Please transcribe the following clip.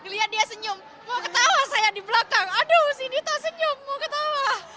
lihat dia senyum mau ketawa saya di belakang aduh si dita senyum mau ketawa